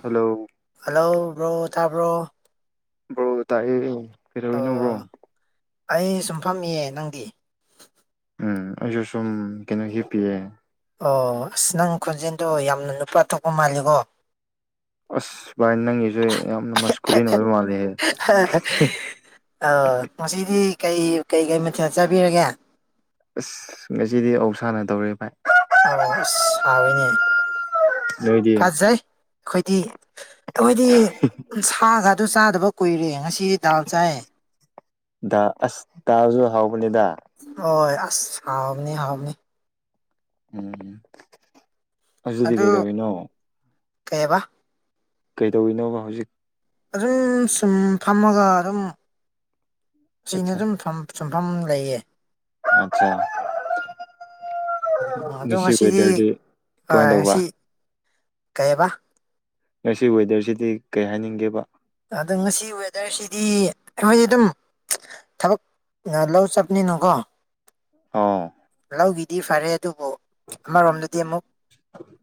Hello hello bro ꯇꯥꯕ꯭ꯔꯣ꯫ Bro ꯇꯥꯏꯌꯦ ꯀꯩꯗꯧꯔꯤꯅꯣ ꯕ꯭ꯔꯣ? ꯑꯣ ꯑꯩ ꯁꯨꯝ ꯐꯝꯃꯤꯌꯦ ꯅꯪꯗꯤ? ꯎꯝ ꯑꯩꯁꯨ ꯁꯨꯝ ꯀꯩꯅꯣ ꯍꯞꯄꯤꯌꯦ꯫ ꯑꯣ ꯑꯁ ꯅꯪ ꯈꯣꯟꯖꯦꯜꯗꯣ ꯌꯥꯝꯅ ꯅꯨꯄꯥ ꯊꯣꯛꯄ ꯃꯥꯜꯂꯤꯀꯣ꯫ ꯑꯁ ꯚꯥꯏ ꯅꯪꯒꯤꯁꯨ ꯌꯥꯝ ꯅꯃꯁꯛ [unintelligible] [unintelligible] ꯑ ꯉꯁꯤꯗꯤ ꯀꯩ ꯀꯩꯀꯩ ꯃꯊꯦꯜ ꯆꯥꯕꯤꯔꯒꯦ? ꯑꯁ ꯉꯁꯤꯗꯤ ꯑꯣꯛꯁꯥꯅ ꯇꯧꯔꯦ ꯚꯥꯏ꯫ ꯑꯣ ꯑꯁ ꯍꯥꯎꯏꯅꯦ ꯅꯣꯏꯗꯤ ꯐꯥꯠꯖꯩ꯫ ꯑꯈꯣꯏꯗꯤ ꯑꯈꯣꯏꯗꯤ ꯁꯥꯒꯗꯨ ꯆꯥꯗꯕ ꯀꯨꯏꯔꯦ ꯉꯁꯤ ꯗꯥꯜ ꯆꯥꯏꯌꯦ꯫ ꯗ ꯑꯁ ꯗꯥꯜꯁꯨ ꯍꯥꯎꯕꯅꯤꯗ꯫ ꯍꯣꯏ ꯑꯁ ꯍꯥꯎꯕꯅꯦ ꯍꯥꯎꯕꯅꯦ꯫ ꯎꯝ ꯑꯗꯨꯗꯤ ꯑꯗꯨ ꯀꯩꯗꯧꯔꯤꯅꯣ? ꯀꯩꯕ? ꯀꯩꯗꯧꯔꯤꯅꯣꯕ ꯍꯧꯖꯤꯛ? ꯑꯗꯨꯝ ꯁꯨꯝ ꯐꯝꯃꯒ ꯑꯗꯨꯝ ꯆꯨꯝꯅ ꯑꯠꯆꯥ ꯑꯗꯨꯝ ꯐꯝ ꯁꯨꯝꯐꯝ ꯂꯩꯌꯦ꯫ ꯑꯆꯥ꯫ ꯎꯝ ꯑꯗꯣ ꯉꯁꯤ ꯉꯁꯤꯗꯤ ꯋꯦꯗꯔꯗꯤ ꯑ ꯀꯃꯥꯏꯅ ꯇꯧꯕ? ꯉꯁꯤ ꯀꯩꯕ ꯉꯥꯁꯤ ꯋꯦꯗꯔꯁꯤꯗꯤ ꯀꯩ ꯍꯥꯏꯅꯤꯡꯒꯦꯕ? ꯑꯗꯣ ꯉꯁꯤ ꯋꯦꯗꯔꯁꯤꯗꯤ ꯑꯩꯈꯣꯏꯗꯤ ꯑꯗꯨꯝ ꯊꯥꯕꯛ ꯂꯧ ꯆꯠꯄꯅꯤꯅꯀꯣ ꯑꯥꯎ ꯂꯧꯒꯤꯗꯤ ꯐꯥꯔꯦ ꯑꯗꯨꯕꯨ ꯑꯃꯔꯣꯝꯗꯗꯤ ꯑꯃꯨꯛ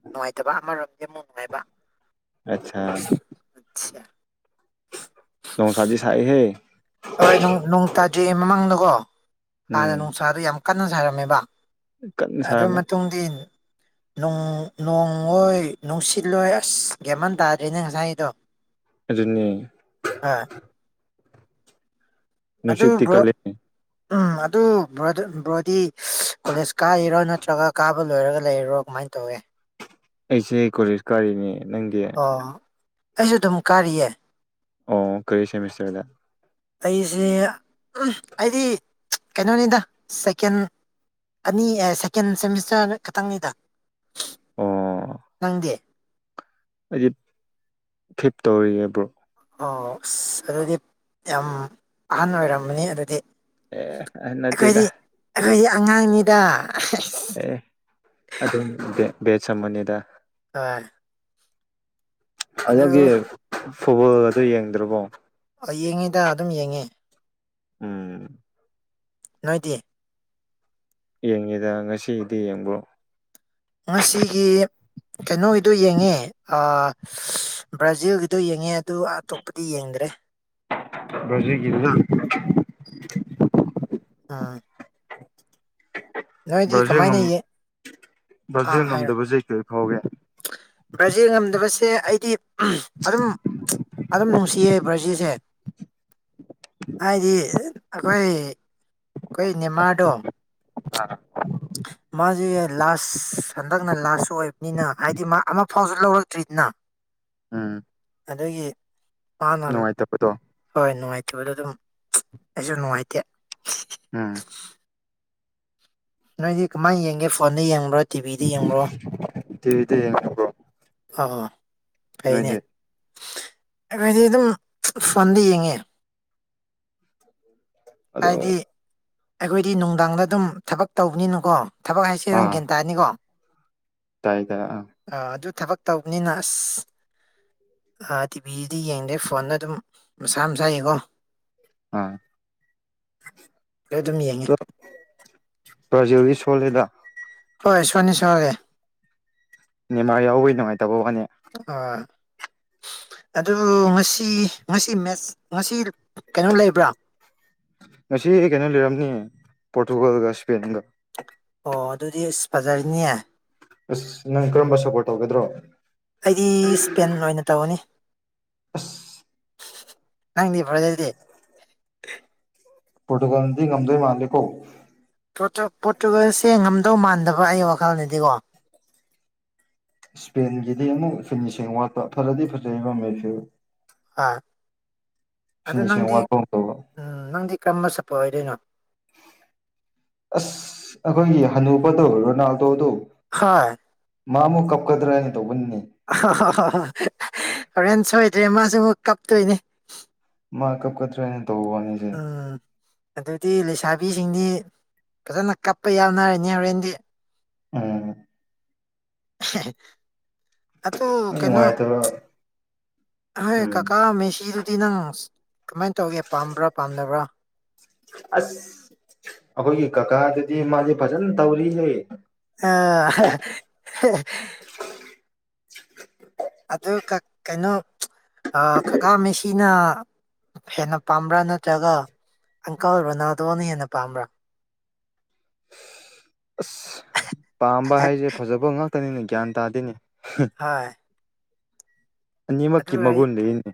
ꯅꯨꯡꯉꯥꯏꯇꯕ ꯑꯃꯔꯣꯝꯗꯗꯤ ꯑꯃꯨꯛ ꯅꯨꯡꯉꯥꯏꯕ꯫ ꯑꯆꯥ꯫ ꯁꯤꯌꯥ꯫ ꯅꯣꯡꯁꯥꯗꯤ ꯁꯥꯏꯌꯦꯍꯦ꯫ ꯍꯣꯏ ꯅꯣꯡ ꯅꯣꯡ ꯇꯥꯗ꯭ꯔꯤ ꯃꯃꯥꯡꯗꯀꯣ ꯍꯥꯟꯅ ꯎꯝ ꯅꯣꯡꯁꯥꯗꯣ ꯌꯥꯝ ꯀꯟꯅ ꯁꯥꯔꯝꯃꯦꯕ꯫ ꯀꯟꯅ ꯑꯗꯨ ꯁꯥꯔꯝꯃꯦ ꯃꯇꯨꯡꯗꯤ ꯅꯣꯡꯑꯣꯏꯏ ꯅꯨꯡꯁꯤꯠꯂꯣꯏ ꯑꯁ ꯒꯌꯥꯟꯃꯟ ꯇꯥꯗ꯭ꯔꯦꯅꯦ ꯉꯁꯥꯏꯒꯤꯗꯣ꯫ ꯑꯗꯨꯅꯦ꯫ ꯑꯥ꯫ ꯑꯗꯨ ꯅꯨꯡꯁꯤꯠꯇꯤ ꯕ꯭ꯔꯣ ꯀꯜꯂꯤ ꯎꯝ ꯑꯗꯨ ꯕ꯭ꯔꯣꯗꯤ ꯀꯣꯂꯦꯖ ꯀꯥꯔꯤꯔꯣ ꯅꯠꯇ꯭ꯔꯒ ꯀꯥꯕ ꯂꯣꯏꯔꯒ ꯂꯩꯔꯣ ꯀꯃꯥꯏꯅ ꯇꯧꯋꯦ? ꯑꯩꯁꯦ ꯀꯣꯂꯦꯁ ꯀꯥꯔꯤꯅꯦ, ꯅꯪꯗꯤ? ꯑꯣ ꯑꯩꯁꯨ ꯑꯗꯨꯝ ꯀꯥꯔꯤꯌꯦ꯫ ꯑꯣ ꯀꯥꯔꯤ ꯁꯦꯃꯤꯁꯇꯔꯗ ꯑꯩꯁꯦ ꯎꯝ ꯑꯩꯗꯤ ꯀꯩꯅꯣꯅꯤꯗ ꯁꯦꯀꯦꯟ ꯑꯅꯤ ꯁꯦꯀꯦꯟ ꯁꯦꯃꯤꯁꯇ꯭ꯔ ꯈꯇꯪꯅꯤꯗ ꯑꯣ ꯅꯪꯗꯦ ꯑꯩꯗꯤ ꯐꯤꯞ ꯇꯧꯔꯤꯌꯦ ꯕ꯭ꯔꯣ ꯑꯣ ꯑꯁ ꯑꯗꯨꯗꯤ ꯌꯥꯝ ꯑꯍꯟ ꯑꯣꯏꯔꯝꯃꯅꯤ ꯑꯗꯨꯗꯤ ꯑꯦ ꯅꯠꯇꯦꯗ ꯑꯩꯈꯣꯏꯗꯤ ꯑꯩꯈꯣꯏꯗꯤ ꯑꯉꯥꯡꯅꯤꯗ ꯑꯦ ꯑꯗꯨꯝ ꯕꯦ ꯕꯦꯠꯁ ꯑꯃꯅꯤꯗ ꯍꯣꯏ ꯑꯗꯨ ꯑꯗꯨꯒꯤ ꯐꯨꯠꯕꯣꯜ ꯑꯗꯨ ꯌꯦꯡꯗ꯭ꯔꯕꯣ ꯌꯦꯡꯉꯦꯗ ꯑꯗꯨꯝ ꯌꯦꯡꯉꯦ ꯎꯝ ꯅꯣꯏꯗꯤ ꯌꯦꯡꯉꯦꯗ ꯉꯁꯤꯗꯤ ꯌꯦꯡꯕ꯭ꯔꯣ ꯉꯁꯤꯒꯤ ꯀꯩꯅꯣꯒꯤꯗꯣ ꯌꯦꯡꯉꯦ ꯑꯥ ꯕ꯭ꯔꯥꯖꯤꯜꯒꯤꯗꯣ ꯌꯦꯡꯉꯦ ꯑꯗꯨ ꯑꯇꯣꯞꯄꯗꯤ ꯌꯦꯡꯗ꯭ꯔꯦ ꯕ꯭ꯔꯥꯖꯤꯜꯒꯤꯗꯨꯗꯪ ꯎꯝ ꯅꯣꯏꯗꯤ ꯕ꯭ꯔꯥꯖꯤꯜ ꯀꯃꯥꯏꯅ ꯉꯝ ꯌꯦ ꯑꯥ ꯕ꯭ꯔꯥꯖꯤꯜ ꯍꯥꯏꯔꯣ ꯉꯝꯗꯕꯁꯦ ꯀꯔꯤ ꯐꯥꯎꯒꯦ ꯕ꯭ꯔꯥꯖꯤꯜ ꯉꯝꯗꯕꯁꯦ ꯑꯩꯗꯤ ꯑꯗꯨꯝ ꯑꯗꯨꯝ ꯅꯨꯡꯁꯤꯌꯦ ꯕ꯭ꯔꯥꯖꯤꯜꯁꯦ ꯍꯥꯏꯗꯤ ꯑꯩꯈꯣꯏ ꯑꯩꯈꯣꯏ ꯅꯦꯃꯥꯔꯗꯣ ꯑꯥ ꯃꯥꯁꯦ ꯂꯥꯁ ꯍꯟꯗꯛꯅ ꯂꯥꯁꯁꯨ ꯑꯣꯏꯕꯅꯤꯅ ꯍꯥꯏꯗꯤ ꯃꯥ ꯑꯃ ꯐꯥꯎꯁꯨ ꯂꯧꯔꯛꯇ꯭ꯔꯤꯗꯅ ꯎꯝ ꯑꯗꯨꯒꯤ ꯃꯥꯅ ꯅꯨꯡꯉꯥꯏꯇꯕꯗꯣ ꯍꯣꯏ ꯅꯨꯡꯉꯥꯏꯇꯕꯗꯣ ꯑꯗꯨꯝ ꯑꯩꯁꯨ ꯅꯨꯡꯉꯥꯏꯇꯦ ꯎꯝ ꯅꯣꯏꯗꯤ ꯀꯃꯥꯏꯅ ꯌꯦꯡꯒꯦ ꯐꯣꯟꯗ ꯌꯦꯡꯕ꯭ꯔꯣ ꯇꯤꯚꯤꯗ ꯌꯦꯡꯕ꯭ꯔꯣ ꯇꯤꯚꯤꯗ ꯌꯦꯡꯕ꯭ꯔꯣ ꯑꯣ ꯑꯣ ꯐꯩꯅꯦ ꯅꯣꯏꯗꯤ ꯌꯩꯈꯣꯏꯗꯤ ꯑꯗꯨꯝ ꯐꯣꯟꯗ ꯌꯦꯡꯉꯦ [unintelligible] ꯍꯥꯏꯗꯤ ꯑꯩꯈꯣꯏꯗꯤ ꯅꯨꯡꯗꯥꯡꯗ ꯑꯗꯨꯝ ꯊꯕꯛ ꯇꯧꯕꯅꯤꯅꯀꯣ ꯊꯕꯛ ꯍꯥꯏꯁ ꯅꯪ ꯑꯥ ꯒ꯭ꯌꯥꯟ ꯇꯥꯅꯤꯀꯣ ꯇꯥꯏ ꯇꯥꯏ ꯑꯥ ꯑ ꯑꯗꯨ ꯊꯕꯛ ꯇꯧꯕꯅꯤꯅ ꯑꯁ ꯇꯤꯚꯗꯤ ꯌꯦꯡꯗꯦ ꯐꯣꯟꯗ ꯑꯗꯨꯝ ꯃꯁꯥ ꯃꯁꯥꯒꯤꯀꯣ ꯎꯝ ꯑꯗꯨꯝ ꯌꯦꯡꯉꯦ ꯕ꯭ꯔꯥꯖꯤꯜꯗꯤ ꯁꯣꯜꯂꯤꯗ ꯍꯣꯏ ꯁꯣꯟꯗꯤ ꯁꯣꯜꯂꯦ ꯅꯦꯏꯃꯥꯔ ꯌꯥꯎꯕꯩ ꯅꯨꯡꯉꯥꯏꯇꯕ ꯋꯥꯅꯤ ꯑꯥ ꯑꯗꯨꯕꯨ ꯉꯁꯤ ꯉꯁꯤ ꯃꯦꯁ ꯉꯁꯤ ꯀꯩꯅꯣ ꯂꯩꯕ꯭ꯔꯥ ꯉꯁꯤ ꯀꯩꯅꯣ ꯂꯩꯔꯝꯅꯤ ꯄꯣꯔꯇꯨꯒꯜꯒ ꯁꯄꯦꯟꯒ ꯑꯣ ꯑꯗꯨꯗꯤ ꯑꯁ ꯐꯖꯔꯤꯅꯤꯌꯦ ꯑꯁ ꯅꯪ ꯀꯔꯝꯕ ꯁꯞꯄꯣꯔꯠ ꯇꯧꯒꯗ꯭ꯔꯣ ꯑꯩꯗꯤ ꯏꯁꯄꯦꯟ ꯑꯣꯏꯅ ꯇꯧꯔꯅꯤ ꯑꯁ ꯅꯪꯗꯤ ꯐꯕꯔꯖꯤꯜꯗꯤ ꯄꯣꯇꯨꯒꯜꯗꯤ ꯉꯝꯗꯣꯏ ꯃꯥꯜꯂꯤꯀꯣ ꯄꯣꯠꯇꯨ ꯄꯣꯠꯇꯨꯒꯜꯁꯦ ꯉꯝꯗꯧ ꯃꯥꯟꯗꯕ ꯑꯩ ꯋꯥꯈꯜꯅꯗꯗꯤꯀꯣ ꯏꯁꯄꯦꯟꯒꯤꯗꯤ ꯑꯃꯨꯛ ꯐꯤꯅꯤꯁꯤꯡ ꯋꯥꯠꯄ ꯐꯔꯗꯤ ꯐꯖꯩ ꯃ ꯃꯦꯐ꯭ꯌꯨ ꯑ ꯑꯗꯨ ꯐꯤꯅꯤꯁꯤꯡ ꯅꯪꯗꯤ ꯋꯥꯠꯄ ꯑꯃ ꯇꯧꯕ ꯎꯝ ꯅꯪꯗꯤ ꯀꯔꯝꯕ ꯁꯞꯄꯣꯔꯠ ꯑꯣꯏꯗꯣꯏꯅꯣ ꯑꯁ ꯑꯩꯈꯣꯏꯒꯤ ꯍꯅꯨꯕꯗꯣ ꯔꯣꯅꯥꯜꯗꯣꯗꯣ ꯍꯥꯏ ꯃꯥ ꯑꯃꯨꯛ ꯀꯞꯀꯗ꯭ꯔꯥ ꯍꯥꯏꯅ ꯇꯧꯕꯅꯤꯅꯦ ꯍꯣꯔꯦꯟ ꯁꯣꯏꯗ꯭ꯔꯦ ꯃꯥꯁꯨ ꯀꯞꯇꯣꯏꯅꯦ ꯃꯥ ꯀꯞ ꯀꯗꯔꯅ ꯇꯧ ꯋꯥꯅꯦ ꯎꯝ ꯑꯗꯨꯗꯤ ꯂꯩꯁꯥꯕꯤꯁꯤꯡꯗꯤ ꯐꯖꯅ ꯀꯞꯄ ꯌꯥꯎꯅꯔꯅꯤ ꯍꯣꯔꯦꯟꯗꯤ ꯎꯝ [unintelligible] ꯑꯗꯨ ꯀꯩꯅꯣ ꯅꯨꯡꯉꯥꯏꯇꯕ ꯍꯥꯏ ꯎꯝ ꯀꯀꯥ ꯃꯦꯁꯤꯗꯨꯗꯤ ꯅꯪ ꯀꯃꯥꯏ ꯇꯧꯒꯦ ꯄꯥꯝꯕ꯭ꯔꯥ ꯄꯥꯝꯗꯕ꯭ꯔꯥ ꯑꯁ ꯑꯈꯣꯏꯒꯤ ꯀꯀꯥꯗꯨꯗꯤ ꯃꯥꯗꯤ ꯐꯖꯅ ꯇꯧꯔꯤꯍꯦ ꯑ ꯑꯗꯨ ꯀ ꯀꯩꯅꯣ ꯀꯀꯥ ꯃꯦꯁꯤꯅ ꯍꯦꯟꯅ ꯄꯥꯝꯕ꯭ꯔꯥ ꯅꯠꯇ꯭ꯔꯒ ꯑꯪꯀꯜ ꯔꯣꯅꯥꯜꯗꯣꯅ ꯍꯦꯟꯅ ꯄꯥꯝꯕ꯭ꯔꯥ ꯑꯁ ꯄꯥꯝꯕ ꯍꯥꯏꯁꯦ ꯐꯖꯕ ꯉꯥꯛꯇꯅꯤꯅꯦ ꯒ꯭ꯌꯥꯟ ꯇꯥꯗꯦꯅꯦ ꯍꯥꯏ ꯑꯅꯤꯃꯛꯀꯤ ꯑꯩ ꯃꯒꯨꯟ ꯂꯩꯅꯤ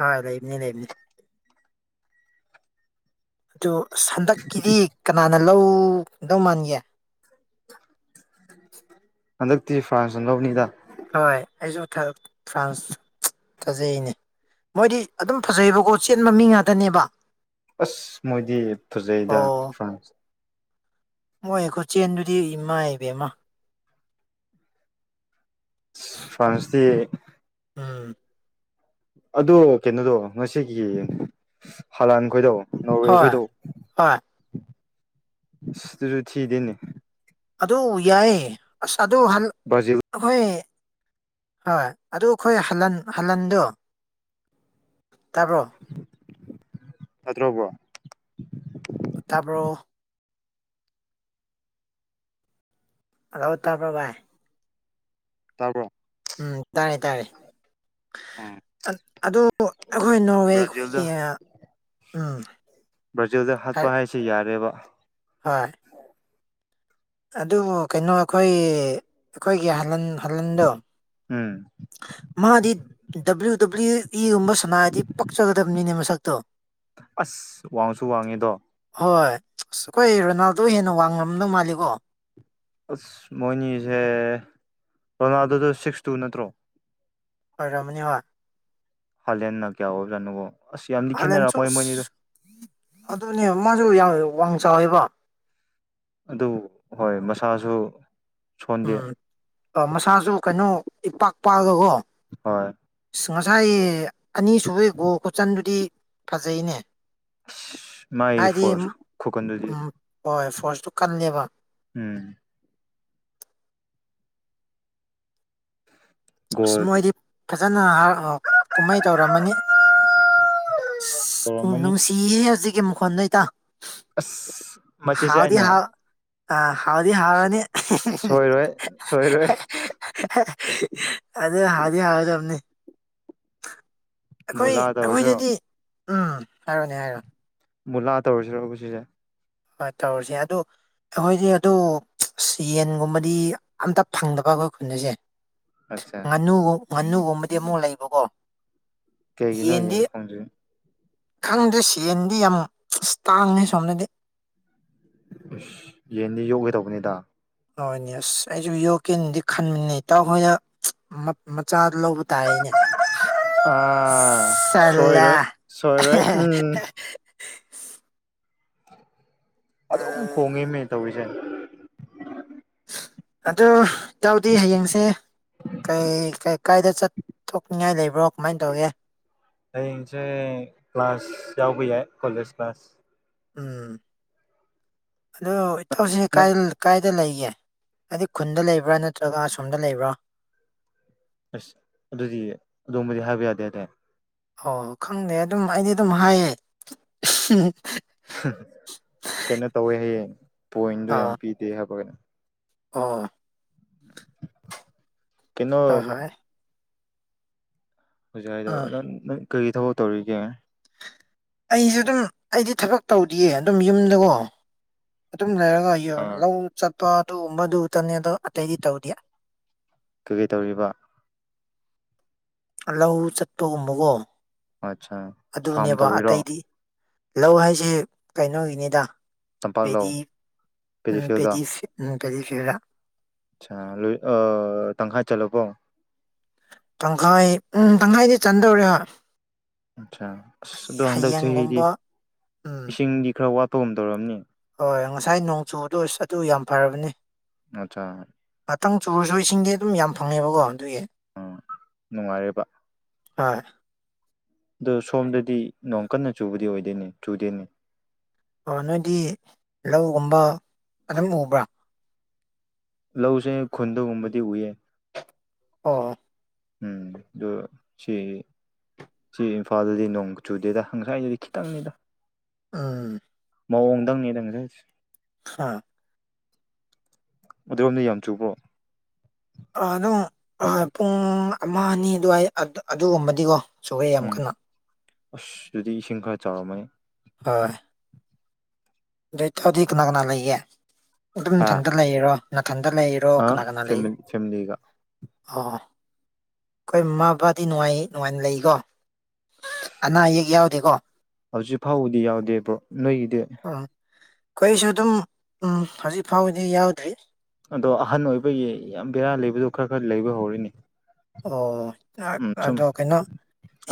ꯍꯣꯏ ꯂꯩꯕꯅꯦ ꯂꯩꯕꯅꯦ ꯑꯗꯨ ꯍꯟꯗꯛꯀꯤꯗꯤ ꯀꯅꯥꯅ ꯂꯧꯗꯧ ꯃꯥꯟꯒꯦ ꯍꯟꯗꯛꯇꯤ ꯐ꯭ꯔꯥꯟꯁꯅ ꯅꯣꯞꯅꯤꯗ ꯍꯣꯏ ꯑꯩꯁꯨ ꯐ꯭ꯔꯥꯟꯁ ꯊꯥꯖꯩꯅꯦ ꯃꯣꯏꯗꯤ ꯑꯗꯨꯝ ꯐꯖꯩꯑꯦꯕꯀꯣ ꯆꯦꯟꯕ ꯃꯤ ꯉꯥꯛꯇꯅꯦꯕ ꯑꯁ ꯃꯣꯏꯗꯤ ꯐꯖꯩꯗ ꯑꯣ ꯐ꯭ꯔꯥꯟꯁ ꯃꯣꯏ ꯈꯨꯆꯦꯟꯗꯨꯗꯤ ꯏꯃꯥꯏꯄꯦꯝꯃ ꯐꯥꯟꯁꯇꯤ ꯎꯝ ꯑꯗꯣ ꯀꯩꯅꯣꯗꯣ ꯉꯁꯤꯒꯤ ꯍꯂꯥꯟ ꯈꯣꯏꯗꯣ ꯍꯣꯏ ꯉꯣꯔꯋꯦꯈꯣꯏꯗꯣ ꯍꯣꯏ ꯑꯁ ꯗꯨꯁꯨ ꯊꯤꯗꯦꯅꯦ ꯑꯗꯨ ꯌꯥꯏ ꯑꯁ ꯑꯗꯣ ꯍꯟ ꯕ꯭ꯔꯥꯖꯤꯜ ꯑꯩꯈꯣꯏ ꯍꯣꯏ ꯑꯗꯨ ꯑꯈꯣꯏ ꯍꯜꯂꯟ ꯍꯜꯂꯟꯗꯣ ꯇꯥꯕ꯭ꯔꯣ ꯅꯠꯇ꯭ꯔꯣ ꯕꯔꯣ ꯇꯥꯕꯔꯣ [unintelligible] ꯇꯕ꯭ꯔꯣ ꯚꯥꯏ ꯇꯥꯕ꯭ꯔꯣ ꯎꯝ ꯇꯥꯏ ꯇꯥꯏ ꯎꯝ [unintelligible] ꯑꯗꯨ ꯑꯈꯣꯏ ꯅꯣꯔꯋꯦ ꯈꯣꯏꯒꯤ ꯕ꯭ꯔꯥꯖꯤꯜꯗ ꯎꯝ ꯕ꯭ꯔꯥꯖꯤꯜꯗ ꯍꯥꯠꯄ ꯍꯥꯏꯁꯤ ꯌꯥꯔꯦꯕ ꯍꯣꯢ ꯑꯗꯨꯕꯨ ꯀꯩꯅꯣ ꯑꯩꯈꯣꯏ ꯑꯈꯣꯏꯒꯤ ꯍꯜꯂꯟ ꯍꯜꯂꯟꯗꯣ ꯎꯝ ꯃꯥꯗꯤ ꯗꯕ꯭ꯂꯤꯎ ꯗꯕ꯭ꯂꯤꯎ ꯏꯒꯨꯝꯕ ꯁꯟꯅꯥꯗꯤ ꯄꯛꯆꯒꯗꯕꯅꯤꯅꯦ ꯃꯁꯛꯇꯣ ꯑꯁ ꯋꯥꯡꯁꯨ ꯋꯥꯡꯉꯤꯗꯣ ꯍꯣꯏ ꯑꯁ ꯑꯈꯣꯏ ꯔꯣꯅꯥꯜꯗꯣ ꯍꯦꯟꯅ ꯋꯥꯡꯉꯝꯗꯧ ꯃꯥꯜꯂꯤꯀꯣ ꯑꯁ ꯃꯣꯏꯅꯤꯁꯦ ꯔꯣꯅꯥꯜꯗꯣꯗꯨ ꯁꯤꯛꯁ ꯇꯨ ꯅꯠꯇ꯭ꯔꯣ ꯑꯣꯏꯔꯝꯅꯤ ꯍꯣꯏ ꯍꯥꯂꯦꯟꯅ ꯀ꯭ꯌꯥ ꯑꯣꯏꯕꯖꯥꯠꯅꯣꯕꯣ ꯑꯁ ꯌꯥꯝꯗꯤ ꯍꯂꯟꯁꯨ ꯈꯦꯠꯅꯔꯝꯃꯣꯏ ꯃꯣꯏꯅꯤꯗꯣ ꯑꯁ ꯑꯗꯨꯅꯦ ꯃꯥꯁꯨ ꯌꯥꯝ ꯋꯡ ꯆꯥꯎꯋꯦꯕ ꯑꯗꯨ ꯍꯣꯏ ꯃꯁꯥꯖꯨ [unintelligible] ꯃꯁꯥꯁꯨ ꯀꯩꯅꯣ ꯏꯄꯥꯛ ꯄꯥꯛꯑꯒꯀꯣ ꯍꯣꯏ ꯑꯁ ꯉꯁꯥꯏ ꯑꯅꯤꯁꯨꯕꯩ ꯒꯣꯜ ꯈꯨꯆꯟꯗꯨꯗꯤ ꯐꯖꯩꯅꯦ ꯃꯥꯒꯤ ꯍꯥꯏꯗꯤ ꯐꯣꯔꯁ ꯈꯨꯀꯟꯗꯨꯗꯤ ꯎꯝ ꯍꯣꯏ ꯐꯣꯔꯁꯇꯨ ꯀꯜꯂꯦꯕ ꯎꯝ ꯑꯁ ꯒꯣꯜ ꯃꯣꯏꯗꯤ ꯐꯖꯅ [unintelligible] ꯀꯨꯝꯍꯩ ꯇꯧꯔꯝꯃꯅꯤ [unintelligible] ꯇꯧꯔꯝꯃꯅꯤ ꯅꯨꯡꯁꯤꯌꯦ ꯍꯨꯖꯤꯛꯀꯤ ꯃꯈꯣꯟꯗꯩ ꯣ ꯏꯇꯥ ꯑꯁ ꯃꯁꯤꯁꯦ ꯍꯥꯎꯗꯤ ꯑꯩꯅ ꯍꯥꯎ ꯑ ꯍꯥꯎꯗꯤ ꯍꯥꯎꯅꯤ ꯁꯣꯏꯔꯣꯏ ꯁꯣꯏꯔꯣꯏ [unintelligible] ꯑꯗ ꯍꯥꯎꯗꯤ ꯍꯥꯏꯔꯗꯝꯅꯤ ꯑꯈꯣꯏ ꯃꯨꯂꯥ ꯇꯧꯔꯁꯤꯔꯣ ꯑꯈꯣꯏꯗꯗꯤ ꯎꯝ ꯍꯥꯏꯔꯣꯅꯦ ꯍꯥꯏꯔꯣꯅꯦ ꯃꯨꯂꯥ ꯇꯧꯔꯁꯤꯔ [unintelligible] ꯁꯤꯁꯦ ꯍꯣꯏ ꯇꯧꯔꯁꯤ ꯑꯗꯨ ꯑꯈꯣꯏꯗꯤ ꯑꯗꯨ [unintelligible] ꯌꯦꯟꯒꯨꯝꯕꯗꯤ ꯑꯝꯇ ꯐꯪꯗꯕ ꯑꯈꯣꯏ ꯈꯨꯟꯁꯦ ꯑꯠꯆꯥ ꯉꯥꯅꯨꯒꯨꯝ ꯉꯥꯅꯨꯒꯨꯝꯕꯗꯤ ꯑꯃꯨꯛ ꯂꯩꯕꯀꯣ ꯀꯩꯒꯤꯅꯣ ꯌꯦꯟꯗꯤ ꯌꯦꯟ ꯐꯪꯗ꯭ꯔꯤ ꯈꯪꯗꯦ ꯁꯦꯟꯗꯤ ꯌꯥꯝ [unintelligible] ꯇꯥꯡꯉꯦ ꯁꯣꯝꯗꯗꯤ ꯌꯦꯟꯗꯤ ꯌꯣꯛꯒꯦ ꯇꯧꯕꯅꯤꯗ ꯍꯣꯢꯅꯦ ꯑꯁ ꯑꯩꯁꯨ ꯌꯣꯀꯅꯗꯤ ꯈꯟꯕꯅꯤ ꯏꯇꯥꯎꯍꯣꯏꯅ [unintelligible] ꯃꯆꯥꯗ ꯂꯧꯕ ꯇꯥꯏꯅꯦ ꯑꯥ ꯁꯜꯂꯥ ꯁꯣꯏꯔꯣꯏ ꯁꯣꯏꯔꯣꯏ ꯎꯝ [unintelligible] ꯑꯗꯨꯝ ꯈꯣꯡꯉꯦꯃꯦ ꯇꯧꯔꯤꯁꯦ ꯑꯗꯨ ꯏꯇꯥꯎꯗꯤ ꯍꯌꯦꯡꯁꯦ ꯀꯩ [unintelligible] ꯀꯥꯏꯗ ꯆꯠꯊꯣꯛꯅꯤꯡꯉꯥꯏ ꯂꯩꯕ꯭ꯔꯣ ꯀꯃꯥꯏꯟ ꯇꯧꯒꯦ ꯍꯌꯦꯡꯁꯦ ꯀ꯭ꯂꯥꯁ ꯌꯥꯎꯕ ꯌꯥꯏ ꯀꯥꯂꯦꯖꯇ ꯎꯝ ꯑꯗꯨ ꯏꯇꯥꯎꯁꯤ ꯅꯪ ꯀꯥꯏ ꯂ ꯀꯥꯢ ꯗ ꯂꯩꯒꯦ ꯍꯥꯏꯗꯤ ꯈꯨꯟꯗ ꯂꯩꯕ꯭ꯔꯥ ꯅꯠꯇ꯭ꯔꯒ ꯑꯁꯣꯝꯗ ꯂꯩꯕ꯭ꯔꯣ ꯑꯁ ꯑꯗꯨꯗꯤ ꯑꯗꯨꯝꯕꯨꯗꯤ ꯍꯥꯏꯕ ꯌꯥꯗꯦꯗ ꯑꯣ ꯈꯪꯗꯦ ꯑꯗꯨꯝ ꯑꯩꯗꯤ ꯑꯗꯨꯝ ꯍꯥꯏꯌꯦ [unintelligible] [unintelligible] ꯀꯩꯅꯣ ꯇꯧꯋꯦ ꯍꯥꯏꯌꯦ ꯄꯣꯏꯟꯗꯣ ꯌꯥꯝ ꯑꯣ ꯄꯤꯗꯦ ꯍꯥꯏꯕ ꯀꯩꯅꯣ ꯑꯣ ꯀꯩꯅꯣ ꯍꯣꯏ ꯍꯣꯏ ꯍꯧꯖꯤꯛ ꯍꯥꯏꯗꯣ ꯎꯝ ꯑꯗꯨ ꯅꯪ ꯀꯔꯤ ꯊꯕꯛ ꯇꯧꯔꯤꯒꯦ ꯑꯩꯁꯨ ꯑꯗꯨꯝ ꯑꯩꯗꯤ ꯊꯕꯛ ꯇꯧꯗꯤꯌꯦ ꯑꯗꯨꯝ ꯌꯨꯝꯗꯀꯣ ꯑꯗꯨꯝ ꯂꯩꯔꯒ ꯑꯥ ꯂꯧ ꯆꯠꯄ ꯑꯗꯨꯒꯨꯝꯕꯗꯨ ꯇꯅꯤ ꯑꯗꯣ ꯑꯇꯩꯗꯤ ꯇꯧꯗꯦ ꯀꯩꯀꯩ ꯇꯧꯔꯤꯕ ꯑ ꯂꯧ ꯆꯠꯄꯒꯨꯝꯕꯀꯣ ꯑꯠꯆꯥ ꯐꯥꯔꯝ ꯑꯗꯨꯅꯦꯕ ꯇꯧꯕꯤꯔꯣ ꯑꯇꯩꯗꯤ ꯂꯧ ꯍꯥꯏꯁꯦ ꯀꯩꯅꯣꯒꯤꯅꯤꯗ ꯇꯝꯄꯥꯛ ꯂꯧ ꯄꯦꯗꯤ ꯎꯝ ꯀꯦꯖꯤꯐꯤꯜꯗ ꯄꯦꯗꯤ ꯎꯝ ꯄꯦꯗꯤ ꯐꯤꯜꯗ ꯑꯠꯁꯥ ꯂꯣꯏ ꯑꯥ ꯇꯪꯈꯥꯏ ꯆꯜꯂꯕꯣ ꯇꯪꯈꯥꯏ ꯎꯝ ꯇꯪꯈꯥꯏꯗꯤ ꯆꯟꯗꯧꯔꯦ ꯑꯁꯥ ꯑꯁ ꯑꯗꯣ ꯍꯌꯦ- ꯍꯟꯗꯛ ꯆꯍꯤꯗꯤ ꯍꯌꯦꯡꯒꯨꯝꯕ ꯎꯝ ꯏꯁꯤꯡꯒꯤ ꯈꯔ ꯋꯥꯠꯄꯒꯨꯝ ꯇꯧꯔꯝꯅꯤ ꯍꯣꯏ ꯉꯁꯥꯏ ꯅꯣꯡ ꯆꯨꯕꯗꯨ ꯑꯁ ꯑꯗꯨ ꯌꯥꯝ ꯐꯔꯕꯅꯤ [unintelligible] ꯉꯥꯇꯪ ꯆꯨꯔꯁꯨ ꯏꯁꯤꯡꯗꯤ ꯑꯗꯨꯝ ꯌꯥꯝ ꯐꯪꯉꯦꯕꯀꯣ ꯑꯗꯨꯒꯤ ꯑꯥ ꯅꯨꯡꯉꯥꯏꯔꯤꯕ ꯍꯣꯏ ꯑꯗꯣ ꯁꯣꯝꯗꯗꯤ ꯅꯣꯡ ꯀꯟꯅ ꯆꯨꯕꯗꯤ ꯑꯣꯏꯗꯣꯏꯅꯦ ꯆꯨꯗꯦꯅꯦ ꯑꯣ ꯅꯣꯏꯗꯤ ꯂꯧꯒꯨꯝꯕ ꯑꯗꯨꯝ ꯎꯕ꯭ꯔꯥ ꯂꯧꯁꯦ ꯈꯨꯟꯗꯒꯨꯝꯕꯗꯤ ꯎꯏꯌꯦ ꯑꯣ ꯎꯝ ꯑꯗꯨ ꯁꯤꯒꯤ ꯁꯤ ꯏꯝꯐꯥꯜꯗꯗꯤ ꯅꯣꯡ ꯆꯨꯗꯦꯗ ꯉꯁꯥꯏꯗꯨꯗꯤ ꯈꯤꯇꯪꯅꯤꯗ ꯎꯝ ꯃꯑꯣꯡꯗꯪꯅꯤꯗ ꯉꯁꯥꯏꯗꯨꯗꯤ ꯍꯥ ꯑꯗꯨꯔꯣꯝꯗꯤ ꯌꯥꯝ ꯆꯨꯕ꯭ꯔꯣ ꯑꯗꯨꯝ ꯑꯥ ꯄꯨꯡ ꯑꯃ ꯑꯅꯤ ꯑꯗꯨꯋꯥꯏ ꯑꯗ ꯑꯗꯨꯒꯨꯝꯕꯗꯤꯀꯣ ꯆꯨꯁꯦ ꯌꯥꯝ ꯎꯝ ꯀꯟꯅ ꯑꯁ ꯑꯗꯨꯗꯤ ꯏꯁꯤꯡ ꯈꯔ ꯆꯥꯎꯔꯝꯃꯅꯤ ꯍꯣꯏ ꯑꯗꯨ ꯏꯇꯥꯎꯗꯤ ꯀꯅꯥ ꯀꯅꯥ ꯂꯩꯒꯦ ꯑꯗꯨꯝ ꯍꯥ ꯏꯊꯟꯇ ꯂꯩꯔꯤꯔꯣ ꯅꯊꯟꯇ ꯂꯩ ꯔꯣ ꯑ ꯀꯅꯥ ꯀꯅꯥ ꯂꯩ ꯐꯦꯃꯤꯂꯤ ꯐꯦꯃꯤꯂꯤꯒ ꯑꯣ ꯈꯣꯏ ꯃꯃꯥ ꯕꯕꯥꯗꯤ ꯅꯨꯡꯉꯥꯏ ꯅꯨꯡꯉꯥꯏꯅ ꯂꯩꯀꯣ ꯑꯅꯥ ꯑꯌꯦꯛ ꯌꯥꯎꯗꯦꯀꯣ ꯍꯧꯖꯤꯛ ꯐꯥꯎꯕꯗꯤ ꯌꯥꯎꯗꯦ ꯕ꯭ꯔꯣ ꯅꯣꯏꯒꯤꯗꯤ ꯑ ꯈꯣꯏꯁꯨ ꯑꯗꯨꯝ ꯎꯝ ꯍꯧꯖꯤꯛ ꯐꯥꯎꯕꯗꯤ ꯌꯥꯎꯗ꯭ꯔꯤ ꯑꯗꯣ ꯑꯍꯟ ꯑꯣꯏꯕꯒꯤ ꯌꯥꯝ ꯕꯦꯔꯥ ꯂꯩꯕꯗꯣ ꯈꯔ ꯈꯔ ꯂꯩꯕ ꯍꯧꯔꯦꯅꯦ ꯑꯣ ꯅꯥꯛ ꯑꯗꯣ ꯀꯩꯅꯣ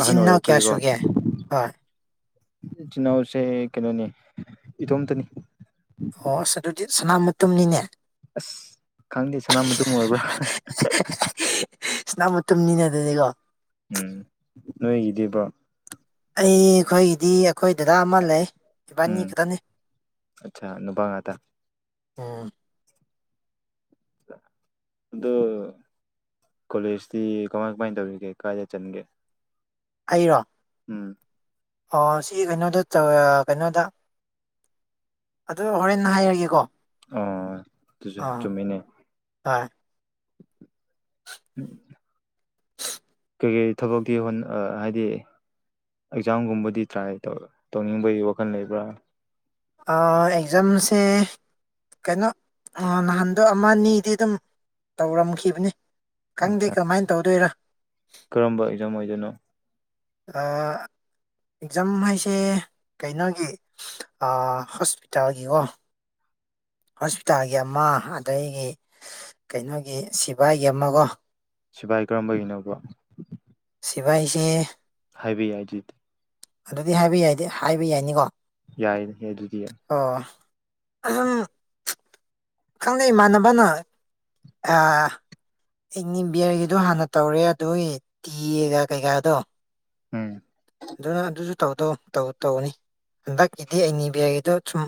ꯑꯍꯟ ꯏꯅꯥꯎ ꯀꯌꯥ ꯑꯣꯏꯔꯛꯄꯒꯤꯀꯣ ꯁꯨꯒꯦ ꯍꯣꯏ ꯏꯆꯤꯜ ꯏꯅꯥꯎꯁꯦ ꯀꯩꯅꯣꯅꯤ ꯏꯊꯣꯝꯇꯅꯤ ꯑꯣ ꯑꯁ ꯑꯗꯨꯗꯤ ꯁꯅꯥ ꯃꯇꯨꯝꯅꯤꯅꯦ ꯑꯁ ꯈꯪꯗꯦ ꯁꯅꯥ ꯃꯇꯨꯝ ꯑꯣꯏꯕ꯭ꯔꯥ ꯁꯅꯥꯃꯇꯨꯝꯅꯤꯅꯦ ꯑꯗꯨꯗꯤ ꯀꯣ ꯎꯝ ꯅꯣꯏꯒꯤꯗꯤꯕꯣ ꯑꯩ ꯑꯩꯈꯣꯏꯒꯤꯗꯤ ꯑꯩꯈꯣꯏ ꯗꯗꯥ ꯑꯃ ꯂꯩ ꯏꯕꯥꯅꯤ ꯎꯝ ꯈꯇꯅꯤ ꯑꯠꯆꯥ ꯅꯨꯄꯥ ꯉꯥꯛꯇ ꯎꯝ ꯑꯗꯨ ꯀꯣꯂꯦꯖꯇꯤ ꯀꯃꯥꯏ ꯀꯃꯥꯏꯅ ꯇꯧꯔꯤꯒꯦ ꯀꯥꯏꯗ ꯆꯟꯒꯦ ꯑꯩꯔꯣ ꯎꯝ ꯑꯣ ꯁꯤ ꯀꯩꯅꯣꯗ ꯆꯥ ꯀꯩꯅꯣꯗ ꯑꯗꯨ ꯍꯣꯔꯦꯟ ꯍꯥꯏꯔꯒꯦꯀꯣ ꯑꯥ ꯗꯨꯁꯨ ꯑꯥ ꯆꯨꯝꯃꯤꯅꯦ ꯍꯣꯏ ꯎꯝ ꯀꯩꯀꯩ ꯊꯕꯛꯇꯤꯕ ꯍ ꯍꯥꯏꯗꯤ ꯑꯦꯛꯖꯥꯝꯒꯨꯝꯕꯗꯤ ꯇ꯭ꯔꯥꯏ ꯇꯧ ꯇꯧꯅꯤꯡꯕꯒꯤ ꯋꯥꯈꯜ ꯂꯩꯕ꯭ꯔꯥ ꯑꯥ ꯑꯦꯛꯖꯝꯁꯦ ꯀꯩꯅꯣ ꯑꯥ ꯅꯍꯥꯟꯗꯣ ꯑꯃ ꯅꯤꯗꯤ ꯑꯗꯨꯝ ꯇꯧꯔꯝꯈꯤꯕꯅꯤ ꯈꯪꯗꯦ ꯑꯠꯆꯥ ꯀꯃꯥꯏꯟ ꯇꯧꯗꯣꯏꯔꯥ ꯀꯔꯝꯕ ꯑꯦꯛꯖꯝ ꯑꯣꯏꯗꯣꯏꯅꯣ ꯑꯥ ꯑꯦꯛꯖꯥꯝ ꯍꯥꯏꯁꯦ ꯀꯩꯅꯣꯒꯤ ꯑꯥ ꯍꯣꯁꯄꯤꯇꯥꯜꯒꯤꯀꯣ ꯍꯣꯁꯄꯤꯇꯥꯜꯒꯤ ꯑꯃ ꯑꯗꯒꯤ ꯀꯩꯅꯣꯒꯤ ꯁꯤꯐꯥꯏꯒꯤ ꯑꯃꯒꯣ ꯁꯤꯐꯥꯏ ꯀꯔꯝꯕꯒꯤꯅꯣꯕ ꯁꯤꯐꯥꯏꯁꯦ ꯍꯥꯏꯕ ꯌꯥꯏ ꯗꯨꯗꯤ ꯑꯗꯨꯗꯤ ꯍꯥꯏꯕ ꯌꯥꯏꯗ ꯍꯥꯏꯕ ꯌꯥꯅꯤꯕ ꯌꯥꯏꯅꯦꯍꯦ ꯑꯗꯨꯗꯤ ꯑꯣ ꯈꯪꯗꯦ ꯏꯃꯥꯟꯅꯕꯅ ꯑ ꯑꯩ ꯅꯤꯕꯤꯌꯔꯒꯤꯗꯣ ꯍꯥꯟꯅ ꯇꯧꯔꯦ ꯑꯗꯨꯒꯤ ꯇꯤꯒ ꯀꯩꯀꯥꯗꯣ ꯎꯝ ꯑꯗꯨꯅ ꯑꯗꯨꯁꯨ ꯇꯧꯗꯧ ꯇꯧ ꯇꯧꯅꯤ ꯍꯟꯗꯛꯀꯤꯗꯤ ꯑꯩꯅꯤ ꯕꯦꯗꯣ ꯁꯨꯝ